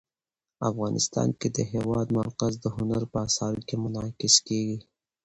افغانستان کې د هېواد مرکز د هنر په اثار کې منعکس کېږي.